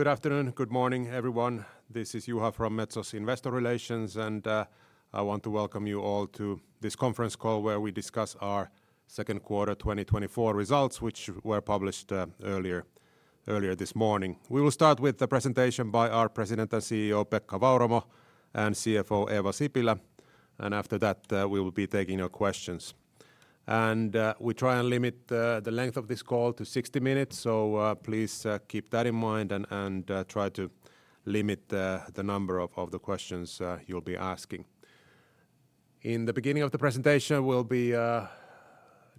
Good afternoon, good morning, everyone. This is Juha from Metso's Investor Relations, and I want to welcome you all to this conference call, where we discuss our second quarter 2024 results, which were published earlier this morning. We will start with the presentation by our President and CEO, Pekka Vauramo, and CFO, Eeva Sipilä, and after that, we will be taking your questions. We try to limit the length of this call to 60 minutes, so please keep that in mind and try to limit the number of questions you'll be asking. In the beginning of the presentation, we'll be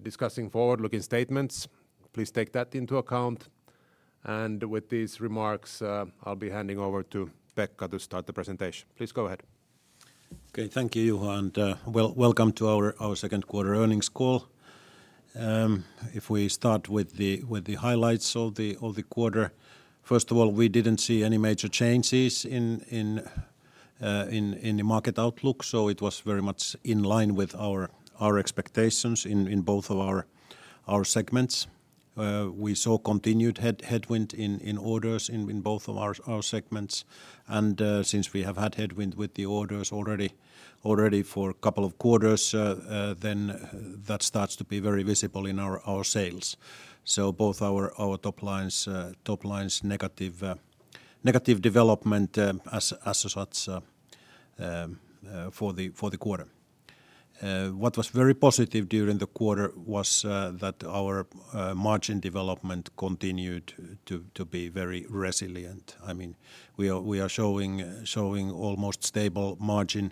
discussing forward-looking statements. Please take that into account. With these remarks, I'll be handing over to Pekka to start the presentation. Please go ahead. Okay, thank you, Juha, and welcome to our second quarter earnings call. If we start with the highlights of the quarter, first of all, we didn't see any major changes in the market outlook, so it was very much in line with our expectations in both of our segments. We saw continued headwind in orders in both of our segments, and since we have had headwind with the orders already for a couple of quarters, then that starts to be very visible in our sales. So both our top lines negative development as such for the quarter. What was very positive during the quarter was that our margin development continued to be very resilient. I mean, we are showing almost stable margin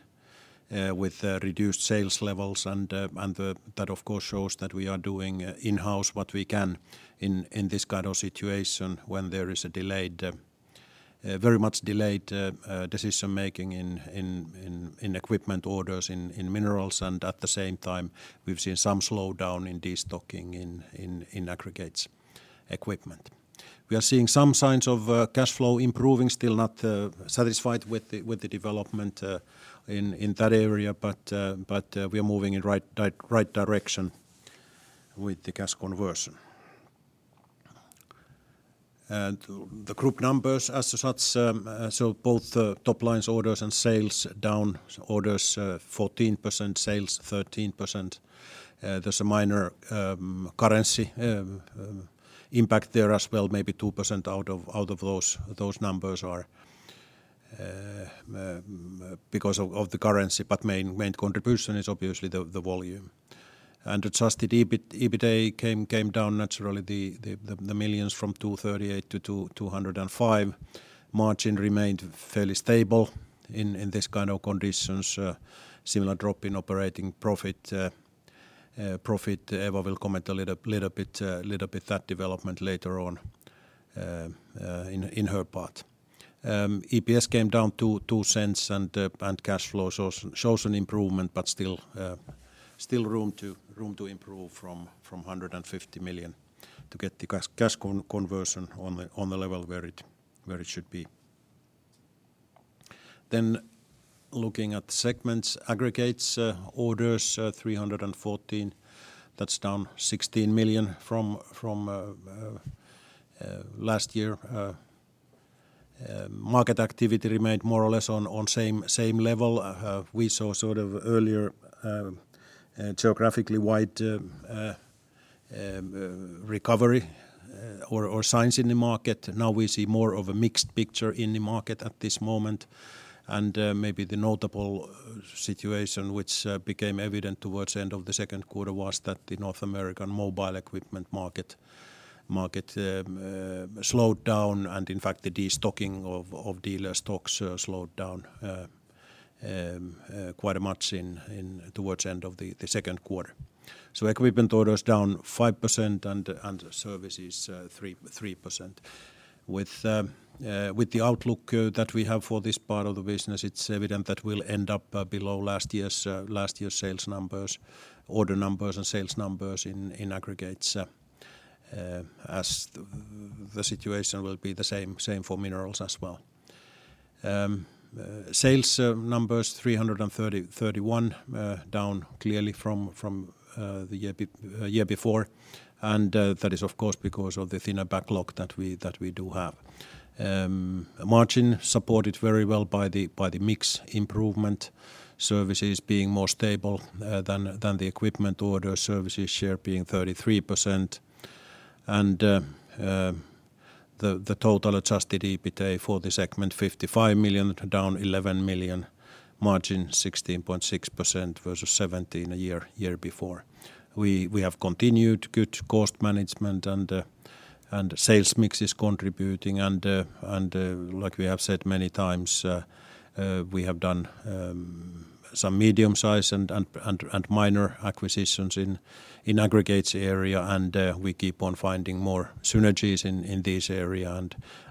with reduced sales levels and that of course shows that we are doing in-house what we can in this kind of situation when there is a delayed, very much delayed, decision-making in Equipment orders in Minerals, and at the same time, we've seen some slowdown in destocking in Aggregates Equipment. We are seeing some signs of cash flow improving, still not satisfied with the development in that area, but we are moving in right direction with the cash conversion. The group numbers as such, so both the top lines, orders, and sales down: orders, 14%, sales, 13%. There's a minor currency impact there as well. Maybe 2% out of those numbers are because of the currency, but main contribution is obviously the volume. And adjusted EBITA came down naturally, 238 million to 205 million. Margin remained fairly stable in this kind of conditions, similar drop in operating profit, profit. Eeva will comment a little bit that development later on, in her part. EPS came down to 0.02, and, and cash flow shows, shows an improvement, but still, still room to, room to improve from, from 150 million to get the cash, cash conversion on the, on the level where it, where it should be. Then looking at the segments, Aggregates orders, 314, that's down 16 million from, from last year. Market activity remained more or less on, on same, same level. We saw sort of earlier, geographically wide, recovery, or, or signs in the market. Now we see more of a mixed picture in the market at this moment, and maybe the notable situation, which became evident towards the end of the second quarter, was that the North American mobile Equipment market slowed down, and in fact, the destocking of dealer stocks slowed down quite a much towards the end of the second quarter. So Equipment orders down 5% and Services 3%. With the outlook that we have for this part of the business, it's evident that we'll end up below last year's sales numbers, order numbers, and sales numbers in Aggregates, as the situation will be the same for Minerals as well. Sales numbers 331 million, down clearly from the year before, and that is, of course, because of the thinner backlog that we do have. Margin supported very well by the mix improvement, Services being more stable than the Equipment order, Services share being 33%. And the total adjusted EBITA for the segment, 55 million, down 11 million, margin 16.6% versus 17% a year before. We have continued good cost management and sales mix is contributing, and like we have said many times, we have done some medium size and minor acquisitions in Aggregates area, and we keep on finding more synergies in this area,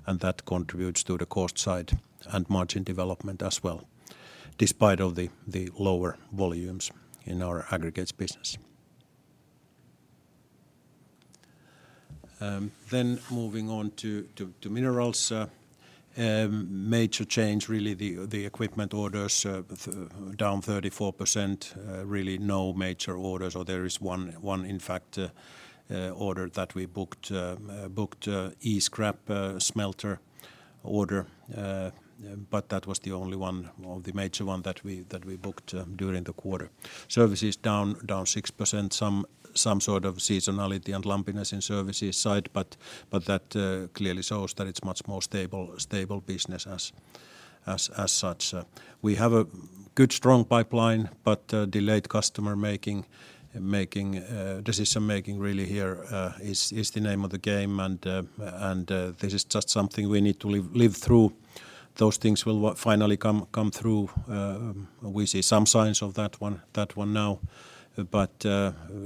and that contributes to the cost side and margin development as well, despite of the lower volumes in our Aggregates business. Then moving on to Minerals. Major change, really the Equipment orders down 34%. Really no major orders, or there is one, in fact, order that we booked e-scrap smelter order. But that was the only one, or the major one that we booked during the quarter. Services down 6%. Some sort of seasonality and lumpiness in Services side, but that clearly shows that it's much more stable business as such. We have a good, strong pipeline, but delayed customer decision-making really here is the name of the game. And this is just something we need to live through. Those things will finally come through. We see some signs of that now, but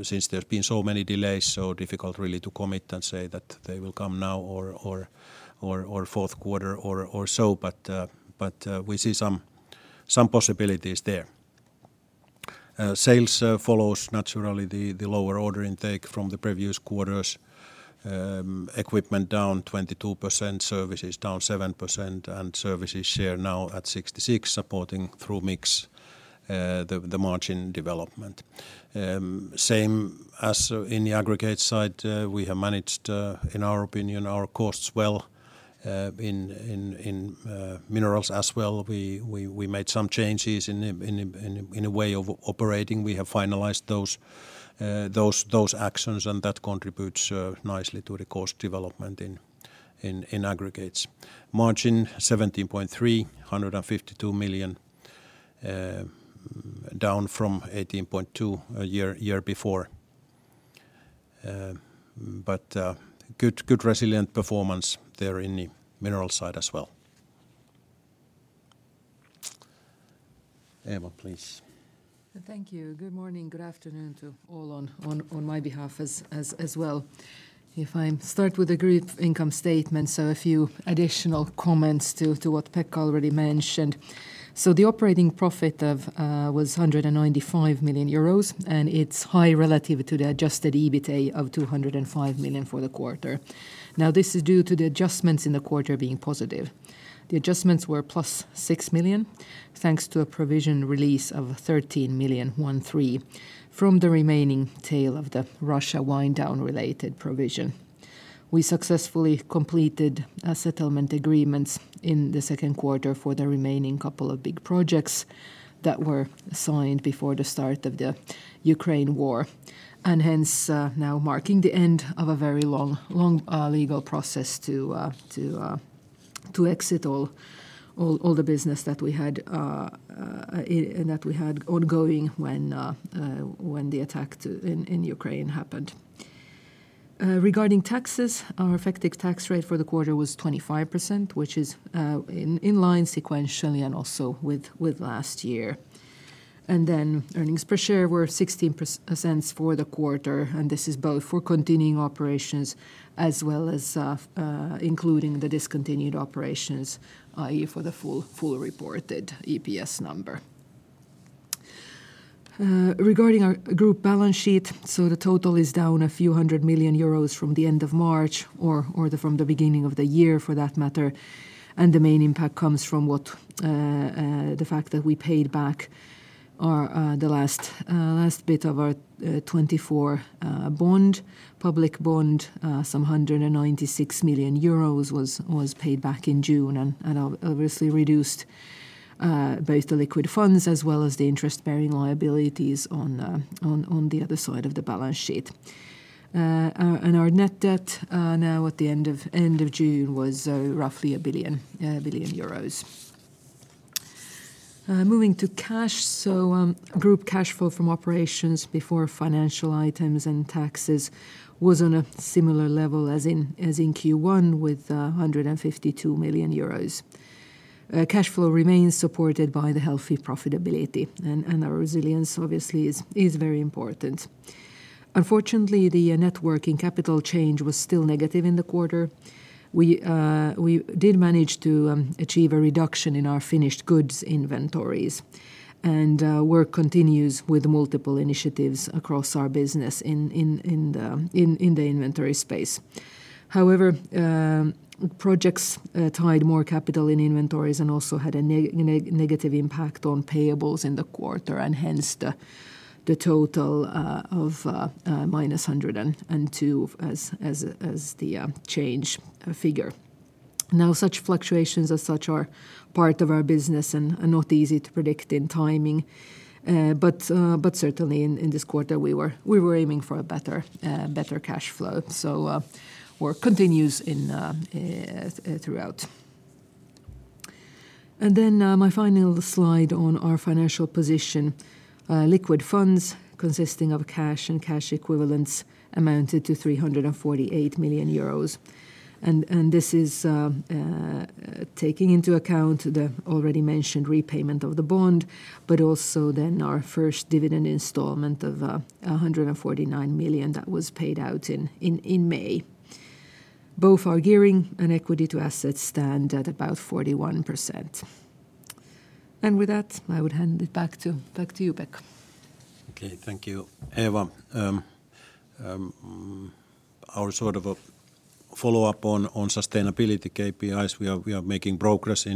since there have been so many delays, so difficult really to commit and say that they will come now or fourth quarter or so, but we see some possibilities there. Sales follows naturally the lower order intake from the previous quarters. Equipment down 22%, Services down 7%, and Services share now at 66, supporting through mix, the margin development. Same as in the Aggregates side, we have managed, in our opinion, our costs well. In Minerals as well, we made some changes in the way of operating. We have finalized those actions, and that contributes nicely to the cost development in Aggregates. Margin 17.3, 152 million, down from 18.2 a year before. But good resilient performance there in the Minerals side as well. Eeva, please. Thank you. Good morning, good afternoon to all on my behalf as well. If I start with the group income statement, a few additional comments to what Pekka already mentioned. The operating profit was EUR 195 million, and it's high relative to the adjusted EBITA of 205 million for the quarter. Now, this is due to the adjustments in the quarter being positive. The adjustments were +6 million, thanks to a provision release of 13 million, 13, from the remaining tail of the Russia wind down related provision. We successfully completed settlement agreements in the second quarter for the remaining couple of big projects that were signed before the start of the Ukraine war, and hence now marking the end of a very long legal process to exit all the business that we had that we had ongoing when the attack in Ukraine happened. Regarding taxes, our effective tax rate for the quarter was 25%, which is in line sequentially and also with last year. Earnings per share were 0.16 for the quarter, and this is both for continuing operations as well as including the discontinued operations for the full reported EPS number. Regarding our group balance sheet, so the total is down a few 10 million euros from the end of March, or from the beginning of the year, for that matter. And the main impact comes from the fact that we paid back the last bit of our 2024 public bond. 196 million euros was paid back in June and obviously reduced both the liquid funds as well as the interest-bearing liabilities on the other side of the balance sheet. And our net debt now at the end of June was roughly EUR 1 billion. Moving to cash, so, group cash flow from operations before financial items and taxes was on a similar level as in Q1 with 152 million euros. Cash flow remains supported by the healthy profitability, and our resilience obviously is very important. Unfortunately, the net working capital change was still negative in the quarter. We did manage to achieve a reduction in our finished goods inventories, and work continues with multiple initiatives across our business in the inventory space. However, projects tied more capital in inventories and also had a negative impact on payables in the quarter, and hence the total of -102 million as the change figure. Now, such fluctuations as such are part of our business and are not easy to predict in timing, but certainly in this quarter, we were aiming for a better cash flow. So, work continues throughout. And then, my final slide on our financial position. Liquid funds consisting of cash and cash equivalents amounted to 348 million euros. And this is, taking into account the already mentioned repayment of the bond, but also then our first dividend installment of 149 million that was paid out in May. Both our gearing and equity to assets stand at about 41%. With that, I would hand it back to you, Pek. Okay, thank you, Eeva. Our sort of a follow-up on sustainability KPIs, we are making progress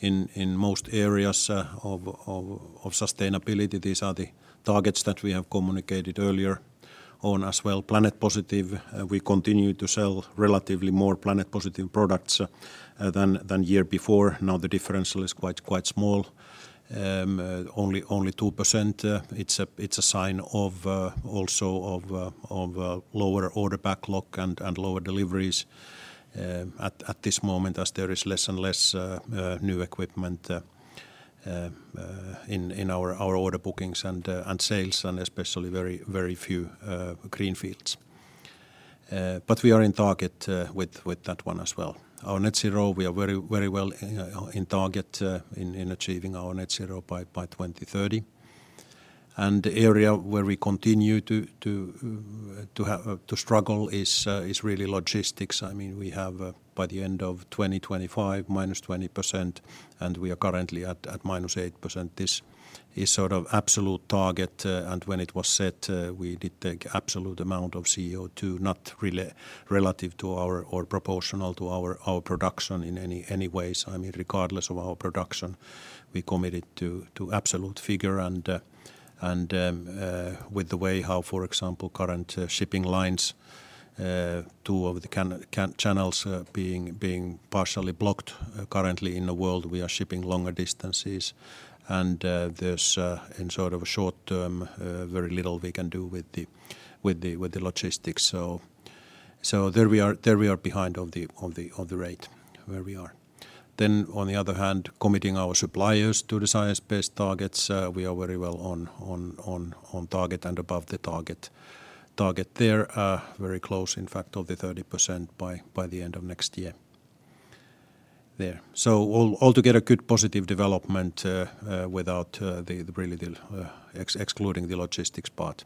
in most areas of sustainability. These are the targets that we have communicated earlier on as well. Planet Positive, we continue to sell relatively more Planet Positive products than year before. Now, the differential is quite small, only 2%. It's also a sign of lower order backlog and lower deliveries at this moment, as there is less and less new Equipment in our order bookings and sales, and especially very few greenfields. But we are in target with that one as well. Our net zero, we are very, very well in target in achieving our net zero by 2030. The area where we continue to struggle is really logistics. I mean, we have by the end of 2025, -20%, and we are currently at -8%. This is sort of absolute target, and when it was set, we did take absolute amount of CO2, not relative to our or proportional to our production in any way. So, I mean, regardless of our production, we committed to absolute figure and with the way how, for example, current shipping lines, two of the canal channels being partially blocked currently in the world, we are shipping longer distances. There's in sort of a short term very little we can do with the logistics. So there we are behind on the rate where we are. Then on the other hand, committing our suppliers to the Science Based Targets, we are very well on target and above the target there. Very close, in fact, of the 30% by the end of next year there. So all together, good, positive development without really excluding the logistics part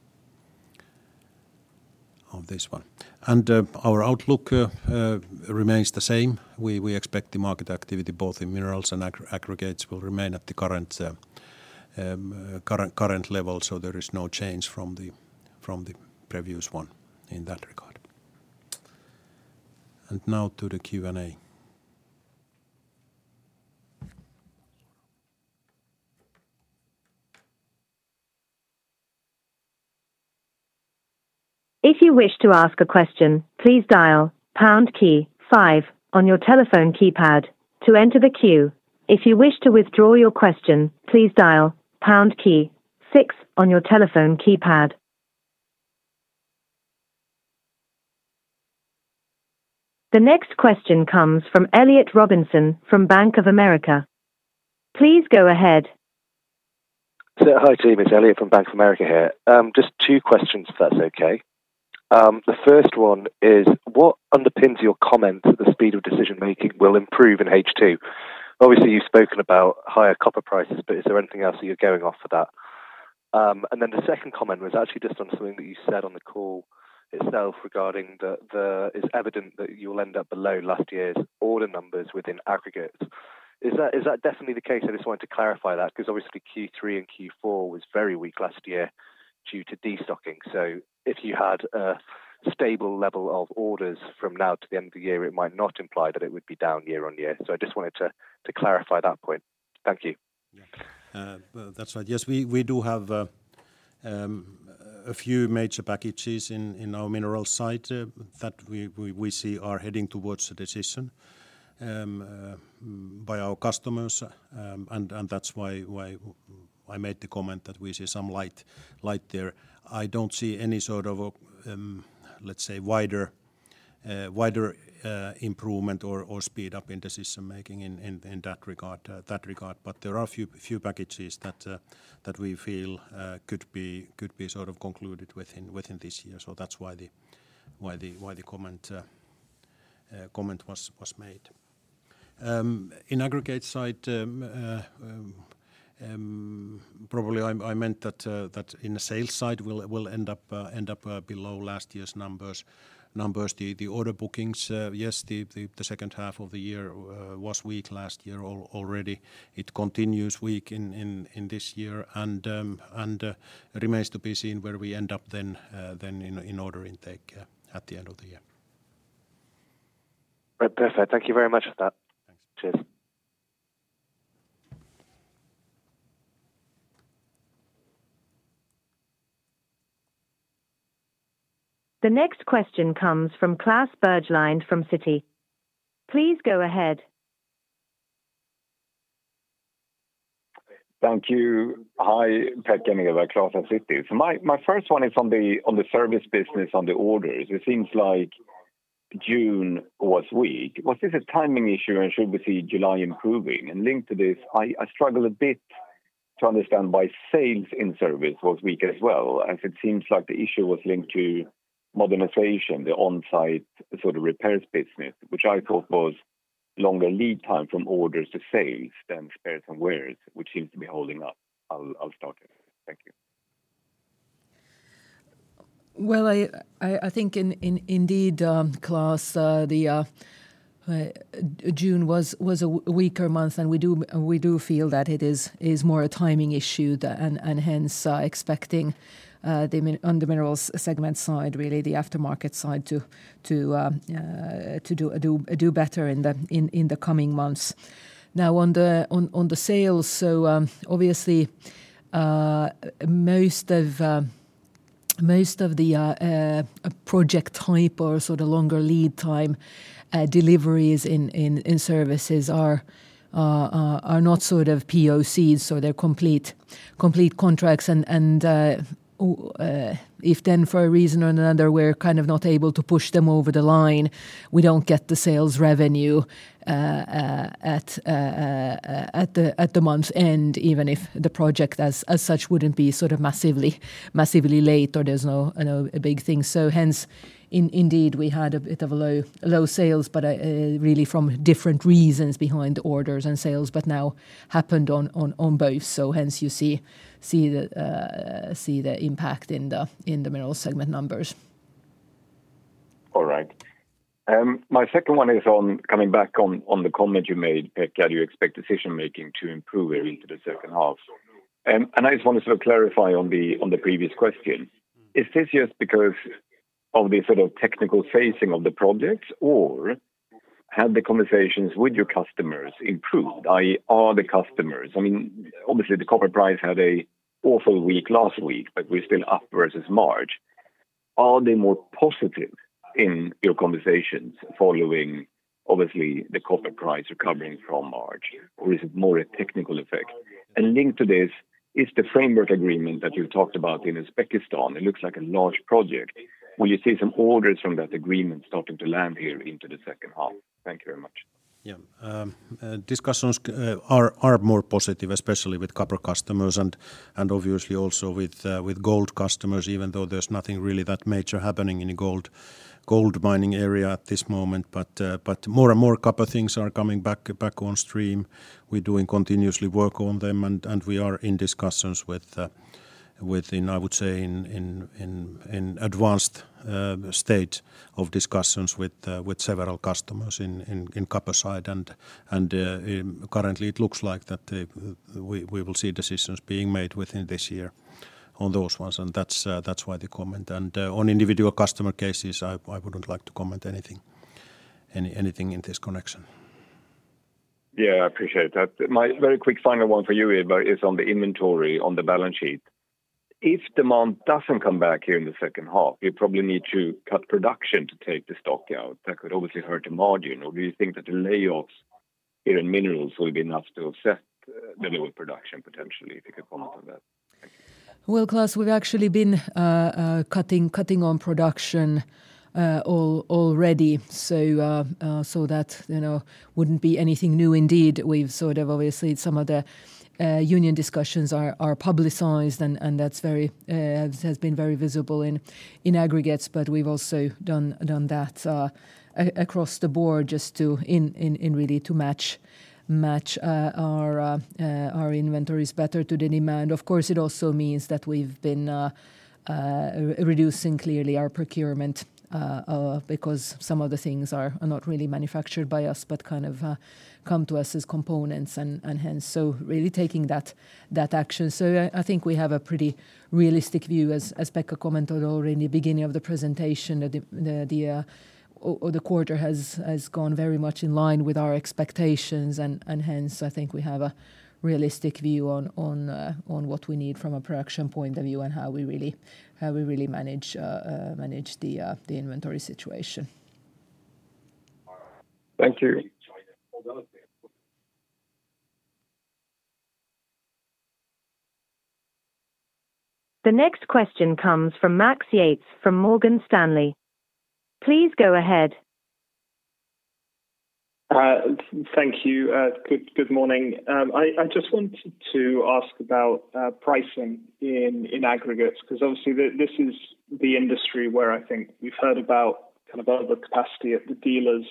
of this one. And our outlook remains the same. We expect the market activity, both in Minerals and Aggregates, will remain at the current level, so there is no change from the previous one in that regard. And now to the Q&A. If you wish to ask a question, please dial pound key five on your telephone keypad to enter the queue. If you wish to withdraw your question, please dial pound key six on your telephone keypad. The next question comes from Elliott Robinson from Bank of America. Please go ahead. So hi, team, it's Elliot from Bank of America here. Just two questions, if that's okay. The first one is, what underpins your comment that the speed of decision-making will improve in H2? Obviously, you've spoken about higher copper prices, but is there anything else that you're going off for that? And then the second comment was actually just on something that you said on the call itself regarding the. It's evident that you'll end up below last year's order numbers within Aggregates. Is that, is that definitely the case? I just wanted to clarify that, 'cause obviously Q3 and Q4 was very weak last year due to destocking. So if you had a stable level of orders from now to the end of the year, it might not imply that it would be down year-on-year. I just wanted to clarify that point. Thank you. Yeah. That's right. Yes, we do have a few major packages in our Minerals side that we see are heading towards a decision by our customers. And that's why I made the comment that we see some light there. I don't see any sort of, let's say, wider improvement or speed up in decision-making in that regard. But there are a few packages that we feel could be sort of concluded within this year. So that's why the comment was made. In the Aggregates side, probably I meant that in the sales side, we'll end up below last year's numbers. The order bookings, yes, the second half of the year was weak last year already. It continues weak in this year, and remains to be seen where we end up then in order intake at the end of the year. Right. Perfect. Thank you very much for that. Thanks. Cheers. The next question comes from Klas Bergelind from Citi. Please go ahead. Thank you. Hi, Pekka and Eeva, Klas from Citi. So my, my first one is on the, on the service business, on the orders. It seems like June was weak. Was this a timing issue, and should we see July improving? And linked to this, I, I struggle a bit to understand why sales in service was weak as well, as it seems like the issue was linked to modernization, the on-site sort of repairs business, which I thought was longer lead time from orders to sales than spares and wears, which seems to be holding up. I'll, I'll start there. Thank you. Well, I think in, indeed, Klas, June was a weaker month, and we do feel that it is more a timing issue, and hence, expecting the Minerals segment side, really the aftermarket side to do better in the coming months. Now, on the sales, so obviously, most of the project type or sort of longer lead time deliveries in Services are not sort of POCs, so they're complete contracts and if then for a reason or another, we're kind of not able to push them over the line, we don't get the sales revenue at the month end, even if the project as such wouldn't be sort of massively late or there's no, you know, a big thing. So hence, indeed, we had a bit of a low sales, but really from different reasons behind orders and sales, but now happened on both. So hence you see the impact in the mineral segment numbers. All right. My second one is on coming back on, on the comment you made, Pekka, you expect decision making to improve into the second half. And I just wanted to clarify on the, on the previous question. Is this just because of the sort of technical phasing of the projects, or have the conversations with your customers improved? I.e., are the customers. I mean, obviously, the copper price had an awful week last week, but we're still up versus March. Are they more positive in your conversations following, obviously, the copper price recovering from March, or is it more a technical effect? And linked to this, is the framework agreement that you talked about in Uzbekistan, it looks like a large project. Will you see some orders from that agreement starting to land here into the second half? Thank you very much. Yeah, discussions are more positive, especially with copper customers and obviously also with gold customers, even though there's nothing really that major happening in the gold mining area at this moment. But more and more copper things are coming back on stream. We're doing continuous work on them, and we are in discussions with, within, I would say, advanced state of discussions with several customers in copper side. And currently, it looks like that we will see decisions being made within this year on those ones, and that's why the comment. And on individual customer cases, I wouldn't like to comment anything in this connection. Yeah, I appreciate that. My very quick final one for you, Eeva, is on the inventory on the balance sheet. If demand doesn't come back here in the second half, you probably need to cut production to take the stock out. That could obviously hurt the margin, or do you think that the layoffs in Minerals will be enough to offset the lower production, potentially, if you could comment on that? Thank you. Well, Klas, we've actually been cutting on production already, so that you know, wouldn't be anything new indeed. We've sort of obviously some of the union discussions are publicized, and that's very has been very visible in Aggregates, but we've also done that across the board, just to really match our inventories better to the demand. Of course, it also means that we've been reducing clearly our procurement because some of the things are not really manufactured by us, but kind of come to us as components and hence so really taking that action. So I think we have a pretty realistic view, as Pekka commented already in the beginning of the presentation, that the quarter has gone very much in line with our expectations, and hence, I think we have a realistic view on what we need from a production point of view and how we really manage the inventory situation. Thank you. The next question comes from Max Yates, from Morgan Stanley. Please go ahead. Thank you. Good morning. I just wanted to ask about pricing in Aggregates, 'cause obviously, this is the industry where I think we've heard about kind of overcapacity at the dealers.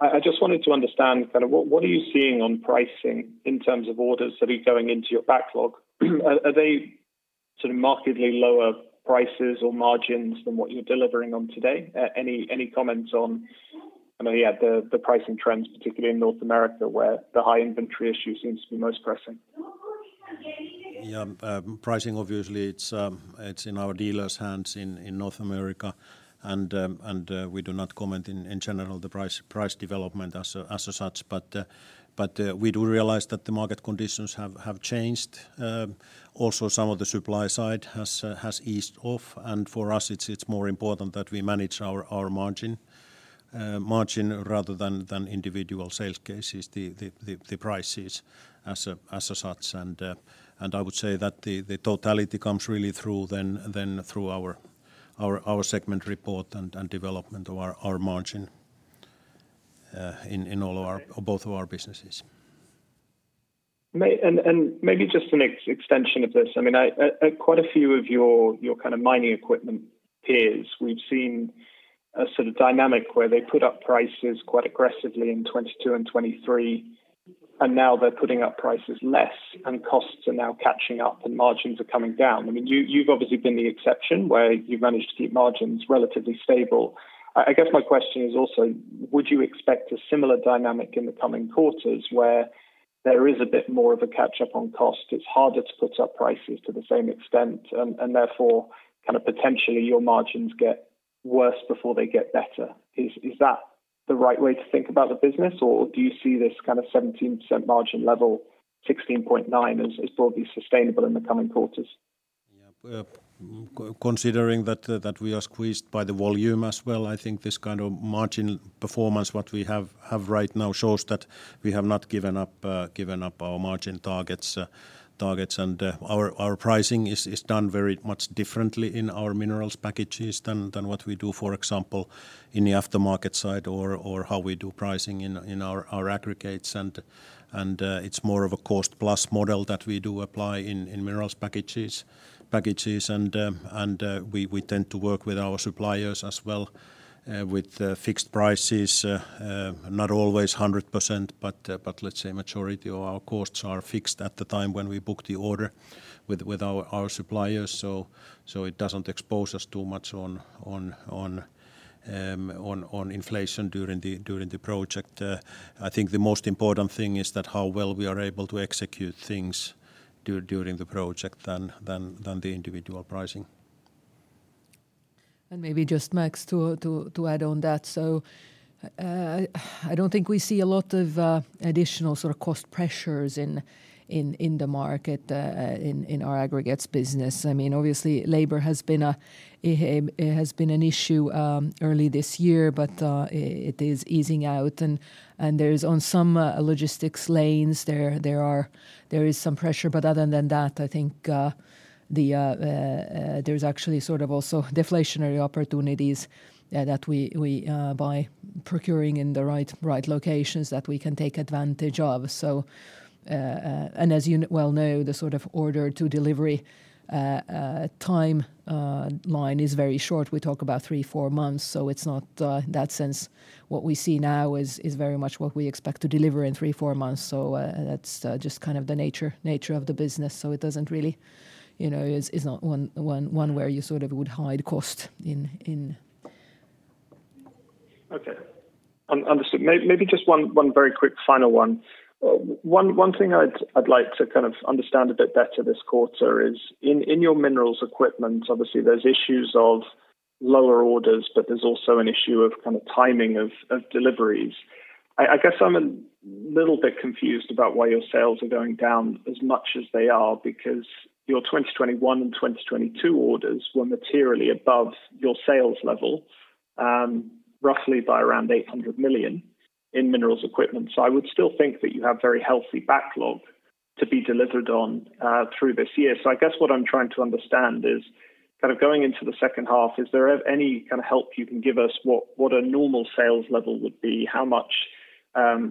I just wanted to understand kind of what you are seeing on pricing in terms of orders that are going into your backlog? Are they sort of markedly lower prices or margins than what you're delivering on today? Any comments on, I know you had the pricing trends, particularly in North America, where the high inventory issue seems to be most pressing? Yeah, pricing, obviously, it's in our dealers' hands in North America. And we do not comment in general, the price development as such. But we do realize that the market conditions have changed. Also some of the supply side has eased off, and for us, it's more important that we manage our margin rather than individual sales cases, the prices as such. And I would say that the totality comes really through then through our segment report and development of our margin in all of our or both of our businesses. And maybe just an extension of this. I mean, quite a few of your kind of mining Equipment peers, we've seen a sort of dynamic where they put up prices quite aggressively in 2022 and 2023, and now they're putting up prices less, and costs are now catching up, and margins are coming down. I mean, you've obviously been the exception, where you've managed to keep margins relatively stable. I guess my question is also, would you expect a similar dynamic in the coming quarters, where there is a bit more of a catch-up on cost? It's harder to put up prices to the same extent and therefore, kind of potentially your margins get worse before they get better. Is that the right way to think about the business, or do you see this kind of 17% margin level, 16.9%, as broadly sustainable in the coming quarters? Yeah, considering that we are squeezed by the volume as well, I think this kind of margin performance what we have right now shows that we have not given up our margin targets. And our pricing is done very much differently in our Minerals packages than what we do, for example, in the aftermarket side or how we do pricing in our Aggregates. And it's more of a cost-plus model that we do apply in Minerals packages. And we tend to work with our suppliers as well with fixed prices, not always 100%, but let's say majority of our costs are fixed at the time when we book the order with our suppliers. So it doesn't expose us too much on inflation during the project. I think the most important thing is that how well we are able to execute things during the project than the individual pricing. Maybe just, Max, to add on that. So, I don't think we see a lot of additional sort of cost pressures in the market, in our Aggregates business. I mean, obviously, labor has been an issue early this year, but it is easing out, and there is some pressure on some logistics lanes. But other than that, I think there's actually sort of also deflationary opportunities that we can take advantage of by procuring in the right locations. So, as you well know, the sort of order-to-delivery timeline is very short. We talk about three to four months, so it's not, in that sense, what we see now is very much what we expect to deliver in three to four months. So, that's just kind of the nature of the business. So, it doesn't really, you know, is not one where you sort of would hide cost in, in- Okay. Understood. Maybe just one very quick final one. One thing I'd like to kind of understand a bit better this quarter is, in your Minerals Equipment, obviously, there's issues of lower orders, but there's also an issue of kind of timing of deliveries. I guess I'm a little bit confused about why your sales are going down as much as they are, because your 2021 and 2022 orders were materially above your sales level, roughly by around 800 million in Minerals Equipment. So I would still think that you have very healthy backlog to be delivered on, through this year. So I guess what I'm trying to understand is, kind of going into the second half, is there any kind of help you can give us, what a normal sales level would be? How much,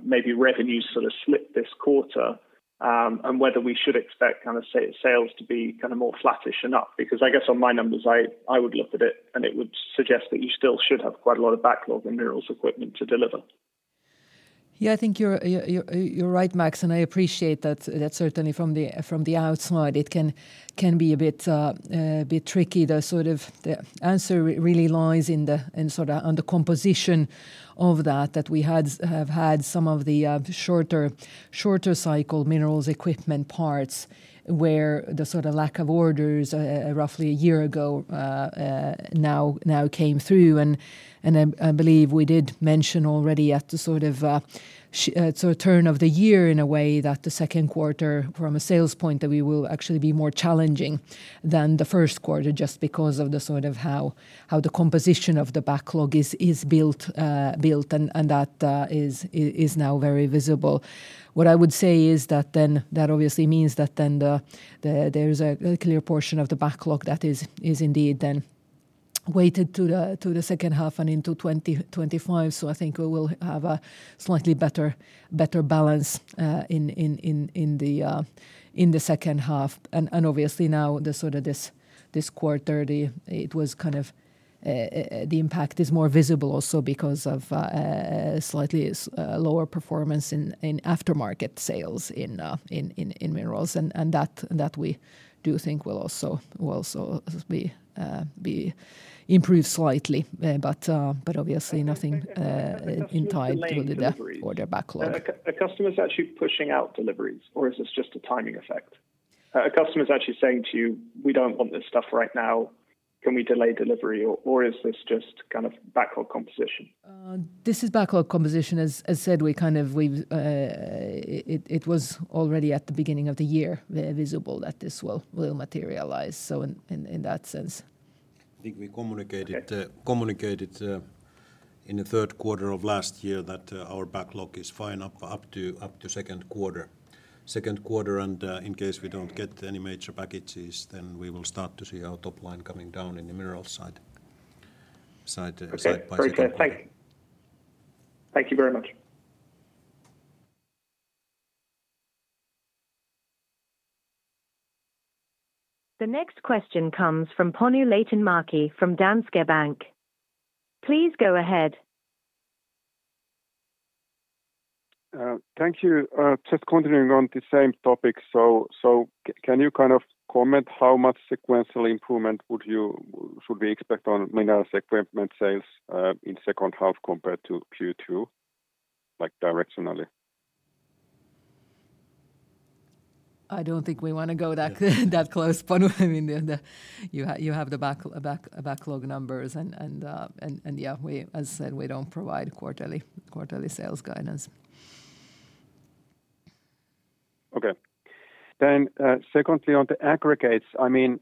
maybe revenues sort of slip this quarter, and whether we should expect kind of sales to be kind of more flattish enough? Because I guess on my numbers, I would look at it, and it would suggest that you still should have quite a lot of backlog in Minerals Equipment to deliver. Yeah, I think you're right, Max, and I appreciate that, certainly from the outside, it can be a bit tricky. The sort of, the answer really lies in sort of on the composition of that, that we have had some of the shorter cycle Minerals Equipment parts, where the sort of lack of orders roughly a year ago now came through. I believe we did mention already at the sort of turn of the year, in a way, that the second quarter, from a sales point, that we will actually be more challenging than the first quarter, just because of the sort of how the composition of the backlog is built, and that is now very visible. What I would say is that then, that obviously means that then there's a clear portion of the backlog that is indeed then weighted to the second half and into 2025. So I think we will have a slightly better balance in the second half. Obviously, now this quarter, the impact is more visible also because of slightly lower performance in aftermarket sales in Minerals. And that we do think will also be improved slightly. But obviously nothing additional to the order backlog. Are customers actually pushing out deliveries, or is this just a timing effect? Are customers actually saying to you, "We don't want this stuff right now. Can we delay delivery?" Or, or is this just kind of backlog composition? This is backlog composition. As said, it was already at the beginning of the year, very visible that this will materialize, so in that sense. I think we communicated, Okay communicated in the third quarter of last year that our backlog is fine up to second quarter, and in case we don't get any major packages, then we will start to see our top line coming down in the Minerals side by side. Okay, very clear. Thank you. Thank you very much. The next question comes from Panu Laitinmäki from Danske Bank. Please go ahead. Thank you. Just continuing on the same topic. So, can you kind of comment how much sequential improvement should we expect on Minerals Equipment sales in second half compared to Q2, like directionally? I don't think we wanna go that close, Panu. I mean, you have the backlog numbers and yeah, as said, we don't provide quarterly sales guidance. Okay. Then, secondly, on the Aggregates, I mean,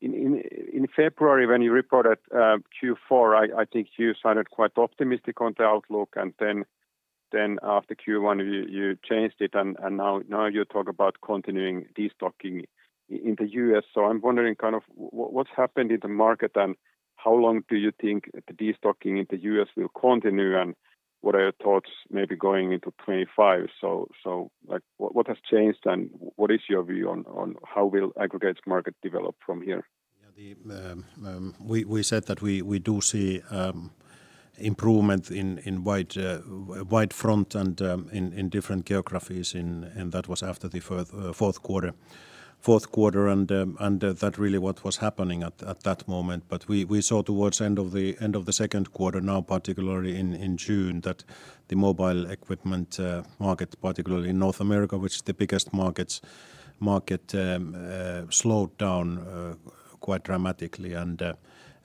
in February, when you reported Q4, I think you sounded quite optimistic on the outlook, and then after Q1, you changed it, and now you talk about continuing destocking in the U.S. So I'm wondering kind of what's happened in the market, and how long do you think the destocking in the U.S. will continue, and what are your thoughts maybe going into 25? So, like, what has changed, and what is your view on how will Aggregates market develop from here? Yeah, we said that we do see improvement in wide front and in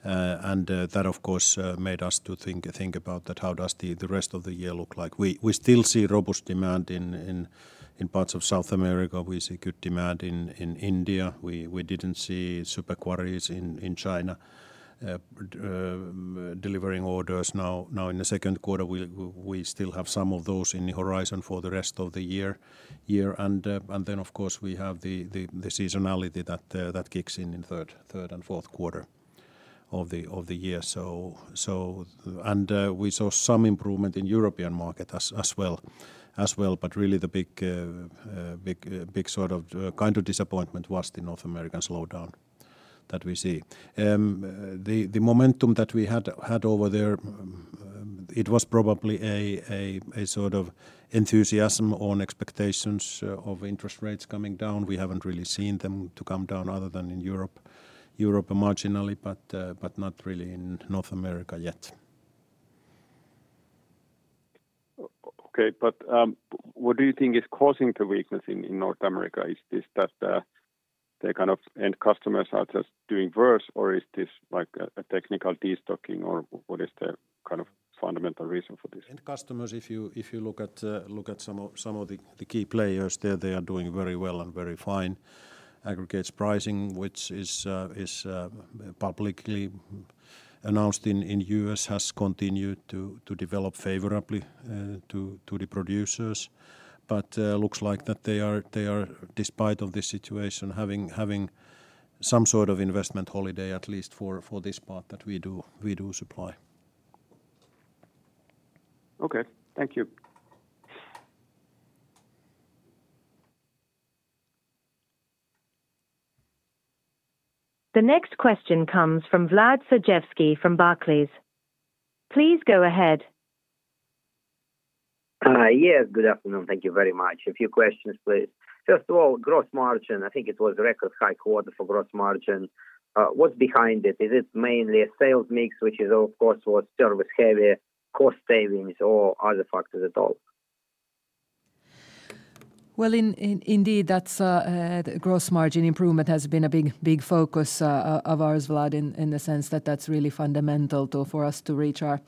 different geographies, and that was after the fourth quarter, fourth quarter. And that really what was happening at that moment. But we saw towards end of the end of the second quarter, now, particularly in June, that the mobile Equipment market, particularly in North America, which is the biggest market, slowed down quite dramatically. And that, of course, made us to think about that, how does the rest of the year look like? We still see robust demand in parts of South America. We see good demand in India. We didn't see super quarries in China delivering orders now. Now, in the second quarter, we still have some of those in the horizon for the rest of the year. And then, of course, we have the seasonality that kicks in in third and fourth quarter of the year. So, we saw some improvement in European market as well. But really the big sort of kind of disappointment was the North American slowdown that we see. The momentum that we had over there, it was probably a sort of enthusiasm on expectations of interest rates coming down. We haven't really seen them to come down other than in Europe. Europe marginally, but not really in North America yet. Okay, but what do you think is causing the weakness in North America? Is this that the kind of end customers are just doing worse, or is this like a technical destocking, or what is the kind of fundamental reason for this? End customers, if you look at some of the key players there, they are doing very well and very fine. Aggregates pricing, which is publicly announced in U.S., has continued to develop favorably to the producers. But looks like that they are, despite of this situation, having some sort of investment holiday, at least for this part that we do supply. Okay. Thank you. The next question comes from Vlad Sergievskiy from Barclays. Please go ahead. Yes, good afternoon. Thank you very much. A few questions, please. First of all, gross margin. I think it was a record high quarter for gross margin. What's behind it? Is it mainly a sales mix, which is, of course, what's the service-heavy, cost savings or other factors at all? Well, indeed, that's gross margin improvement has been a big, big focus of ours, Vlad, in the sense that that's really fundamental for us to reach our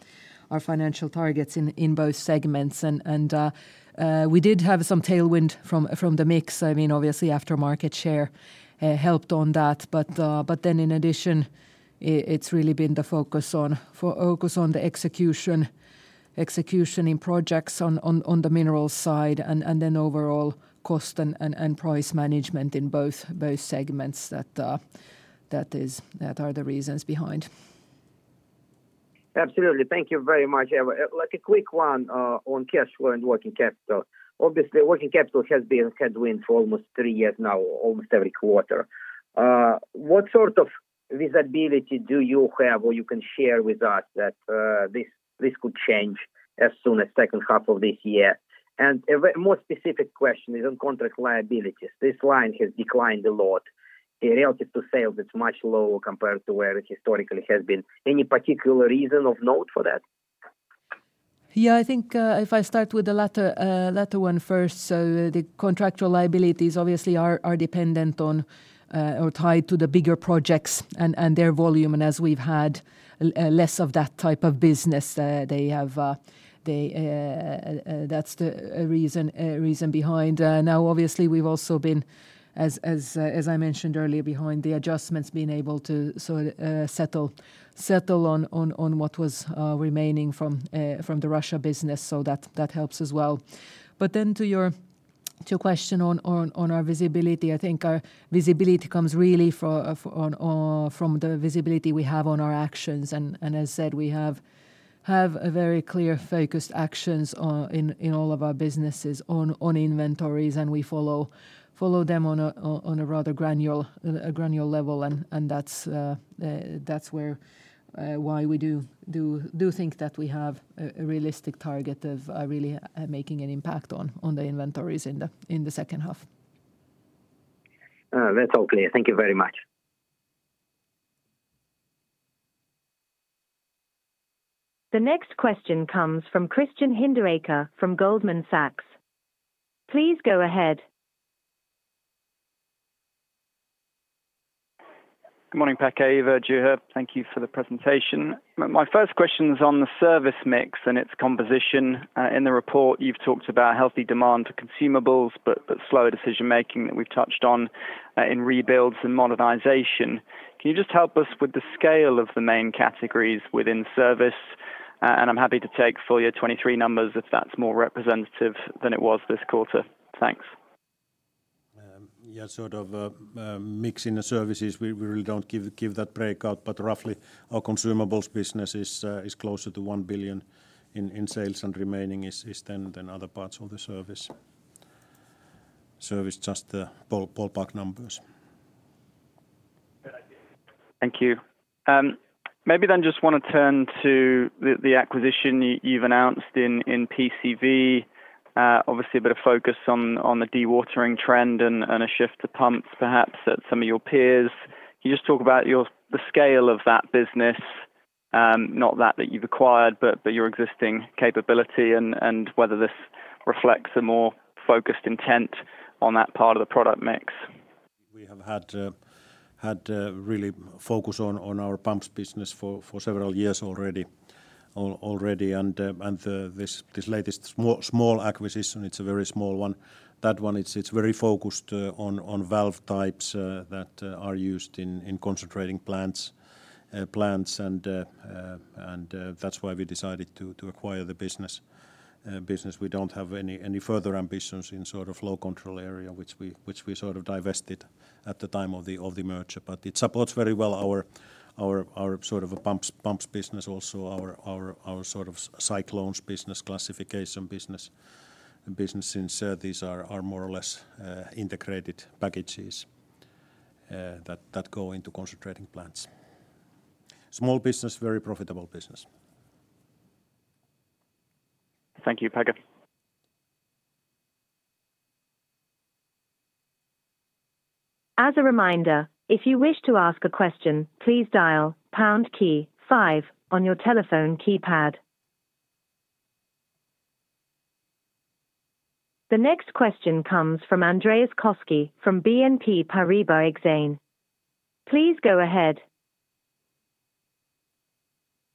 financial targets in both segments. And we did have some tailwind from the mix. I mean, obviously, aftermarket share helped on that. But then in addition, it's really been the focus on the execution in projects on the Minerals side, and then overall cost and price management in both segments that are the reasons behind. Absolutely. Thank you very much. Like a quick one, on cash flow and working capital. Obviously, working capital has been headwind for almost three years now, almost every quarter. What sort of visibility do you have, or you can share with us, that this could change as soon as second half of this year? And a more specific question is on contract liabilities. This line has declined a lot. Relative to sales, it's much lower compared to where it historically has been. Any particular reason of note for that? Yeah, I think if I start with the latter one first. So the contract liabilities obviously are dependent on or tied to the bigger projects and their volume. And as we've had less of that type of business, that's the reason behind. Now, obviously, we've also been, as I mentioned earlier, behind the adjustments, being able to sort, settle on what was remaining from the Russia business, so that helps as well. But then to your question on our visibility, I think our visibility comes really from the visibility we have on our actions. As said, we have a very clear focused actions in all of our businesses on inventories, and we follow them on a rather granular level. And that's why we do think that we have a realistic target of really making an impact on the inventories in the second half. That's all clear. Thank you very much. The next question comes from Christian Hinderaker from Goldman Sachs. Please go ahead. Good morning, Pekka, Eeva, Juha. Thank you for the presentation. My first question's on the service mix and its composition. In the report you've talked about healthy demand for consumables but, but slower decision making that we've touched on in rebuilds and modernization. Can you just help us with the scale of the main categories within service? And I'm happy to take full year 2023 numbers if that's more representative than it was this quarter. Thanks. Yeah, sort of, mixing the Services, we really don't give that breakout, but roughly our consumables business is closer to 1 billion in sales, and remaining is then other parts of the service. Just the ballpark numbers. Thank you. Maybe then just want to turn to the acquisition you've announced in PCV. Obviously, a bit of focus on the dewatering trend and a shift to pumps perhaps at some of your peers. Can you just talk about your, the scale of that business, not that you've acquired, but your existing capability and whether this reflects a more focused intent on that part of the product mix? We have had really focus on our pumps business for several years already. And this latest small acquisition, it's a very small one. That one, it's very focused on valve types that are used in concentrating plants, and that's why we decided to acquire the business. We don't have any further ambitions in sort of flow control area, which we sort of divested at the time of the merger. But it supports very well our sort of pumps business, also our sort of cyclones business, classification business, since these are more or less integrated packages that go into concentrating plants. Small business, very profitable business. Thank you, Pekka. As a reminder, if you wish to ask a question, please dial pound key five on your telephone keypad. The next question comes from Andreas Koski from BNP Paribas Exane. Please go ahead.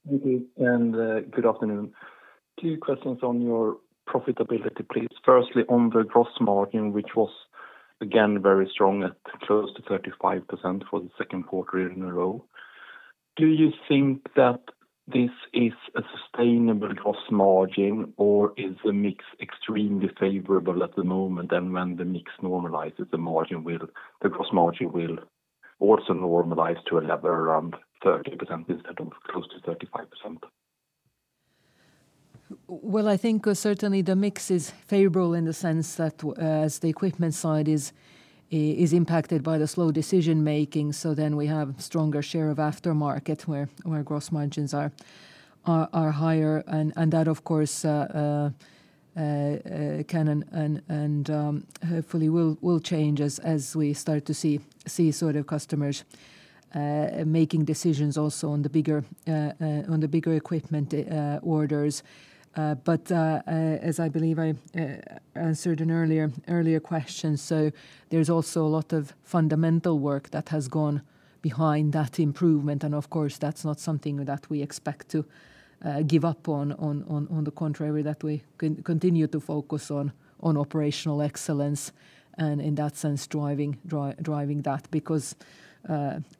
Thank you, and good afternoon. Two questions on your profitability, please. Firstly, on the gross margin, which was again very strong at close to 35% for the second quarter in a row. Do you think that this is a sustainable gross margin, or is the mix extremely favourable at the moment, then when the mix normalizes, the margin will-- the gross margin will also normalize to a level around 30% instead of close to 35%? Well, I think certainly the mix is favorable in the sense that as the Equipment side is impacted by the slow decision making, so then we have stronger share of aftermarket, where gross margins are higher. And that, of course, can and hopefully will change as we start to see sort of customers making decisions also on the bigger Equipment orders. But as I believe I answered an earlier question, so there's also a lot of fundamental work that has gone behind that improvement, and of course, that's not something that we expect to give up on. On the contrary, we continue to focus on operational excellence and in that sense, driving that because,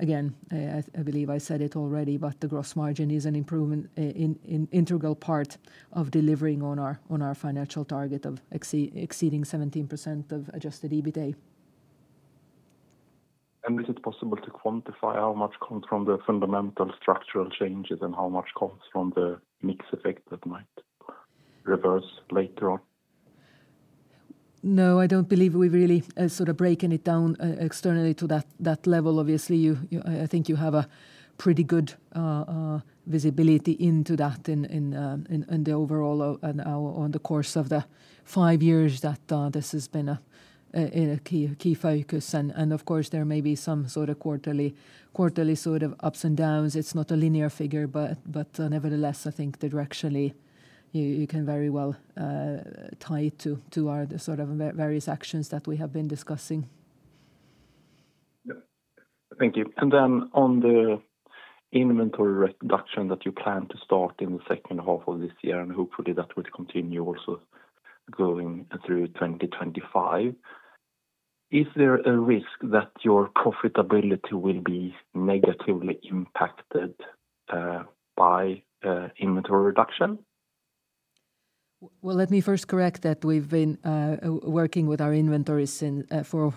again, I believe I said it already, but the gross margin improvement is an integral part of delivering on our financial target of exceeding 17% of Adjusted EBITA. Is it possible to quantify how much comes from the fundamental structural changes and how much comes from the mix effect that might reverse later on? No, I don't believe we've really sort of breaking it down externally to that level. Obviously, I think you have a pretty good visibility into that in the overall on the course of the five years that this has been a key focus. And of course, there may be some sort of quarterly ups and downs. It's not a linear figure, but nevertheless, I think directionally, you can very well tie it to our the sort of various actions that we have been discussing. Yeah. Thank you. Then on the inventory reduction that you plan to start in the second half of this year, and hopefully that will continue also going through 2025. Is there a risk that your profitability will be negatively impacted by inventory reduction? Well, let me first correct that we've been working with our inventories for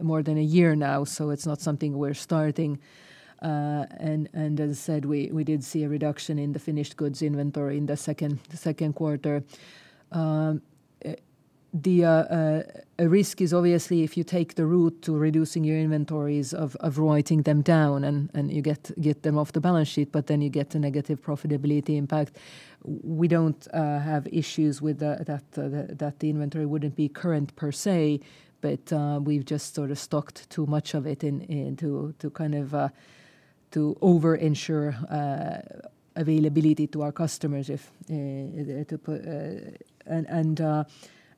more than a year now, so it's not something we're starting. And as I said, we did see a reduction in the finished goods inventory in the second quarter. A risk is obviously if you take the route to reducing your inventories of writing them down, and you get them off the balance sheet, but then you get a negative profitability impact. We don't have issues with that the inventory wouldn't be current per se, but we've just sort of stocked too much of it in to kind of over-ensure availability to our customers if to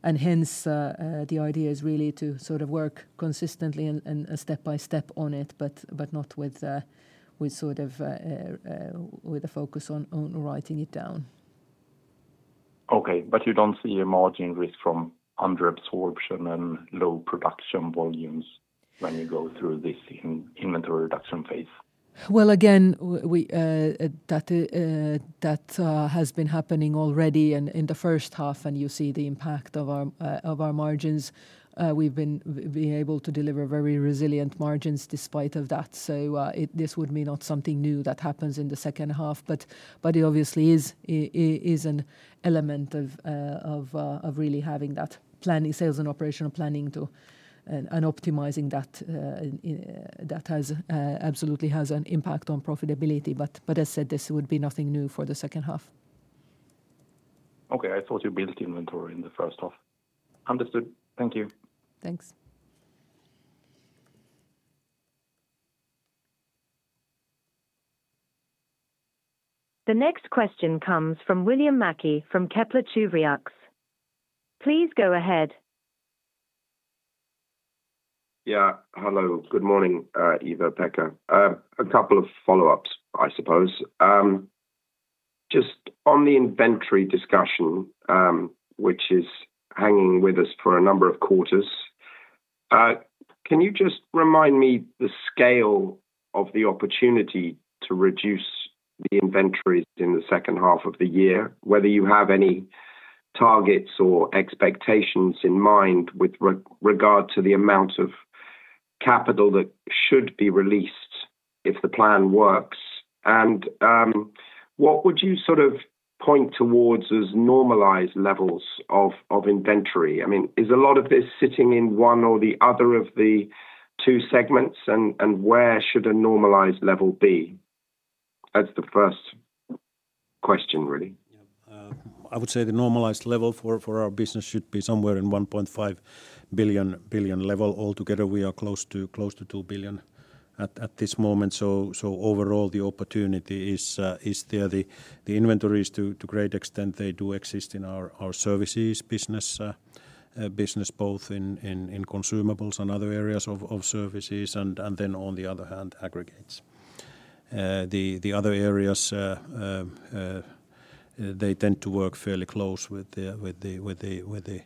put... Hence, the idea is really to sort of work consistently and step by step on it, but not with sort of a focus on writing it down. Okay, but you don't see a margin risk from under absorption and low production volumes when you go through this inventory reduction phase? Well, again, that has been happening already in the first half, and you see the impact of our margins. We've been able to deliver very resilient margins despite of that. So, this would be not something new that happens in the second half, but it obviously is an element of really having that planning, sales and operational planning, and optimizing that. That has absolutely has an impact on profitability. But as I said, this would be nothing new for the second half. Okay, I thought you built inventory in the first half. Understood. Thank you. Thanks. The next question comes from William Mackie from Kepler Cheuvreux. Please go ahead. Yeah, hello. Good morning, Eeva, Pekka. A couple of follow-ups, I suppose. Just on the inventory discussion, which is hanging with us for a number of quarters, can you just remind me the scale of the opportunity to reduce the inventories in the second half of the year? Whether you have any targets or expectations in mind with regard to the amount of capital that should be released if the plan works. And, what would you sort of point towards as normalized levels of inventory? I mean, is a lot of this sitting in one or the other of the two segments, and where should a normalized level be? That's the first question, really. Yeah. I would say the normalized level for our business should be somewhere in 1.5 billion level. Altogether, we are close to 2 billion at this moment. So overall, the opportunity is there. The inventories, to a great extent, they do exist in our Services business, both in consumables and other areas of Services, and then on the other hand, Aggregates. The other areas, they tend to work fairly close with the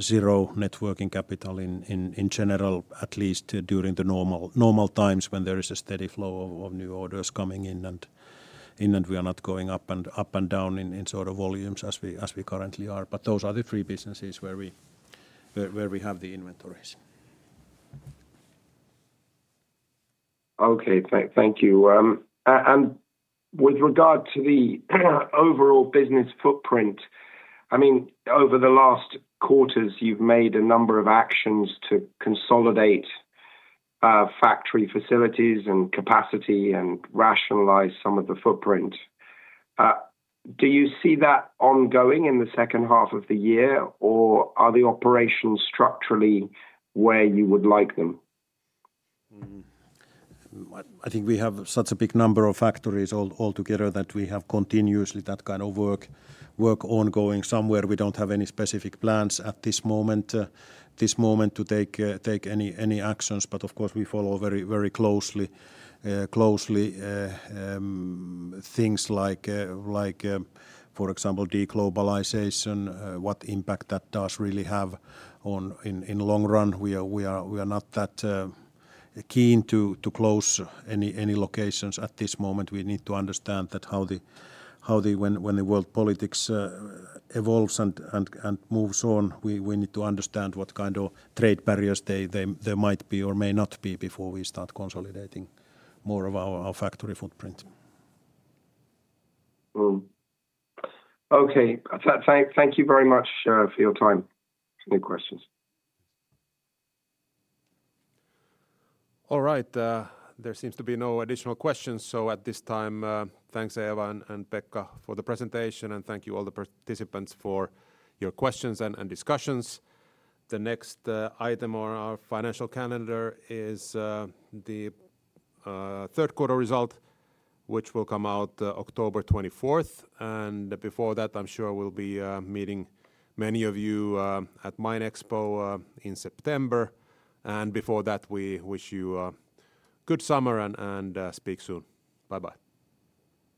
zero net working capital in general, at least during the normal times when there is a steady flow of new orders coming in and we are not going up and down in sort of volumes as we currently are. But those are the three businesses where we have the inventories. Okay. Thank you. And with regard to the overall business footprint, I mean, over the last quarters, you've made a number of actions to consolidate factory facilities and capacity and rationalize some of the footprint. Do you see that ongoing in the second half of the year, or are the operations structurally where you would like them? I think we have such a big number of factories altogether that we have continuously that kind of work ongoing. Somewhere, we don't have any specific plans at this moment to take any actions, but of course, we follow very closely things like, for example, deglobalization, what impact that does really have on in long run. We are not that keen to close any locations at this moment. We need to understand that how the, when the world politics evolves and moves on, we need to understand what kind of trade barriers there might be or may not be before we start consolidating more of our factory footprint. Okay. Thank you very much for your time. Any questions? All right, there seems to be no additional questions. So, at this time, thanks, Eeva and Pekka for the presentation, and thank you all the participants for your questions and discussions. The next item on our financial calendar is the third quarter result, which will come out October 24th. And before that, I'm sure we'll be meeting many of you at MINExpo in September. And before that, we wish you a good summer and speak soon. Bye-bye.